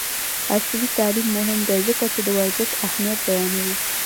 عصري تعلیم مهم دی ځکه چې د ورزش اهمیت بیانوي.